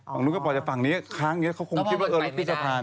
ฝั่งนู้นก็ปล่อยแต่ฝั่งนี้ครั้งนี้เขาคงคิดว่าแล้วพอมันไปไม่ได้